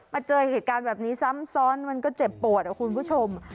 เจอเหตุการณ์แบบนี้ซ้ำซ้อนมันก็เจ็บปวดอะคุณผู้ชม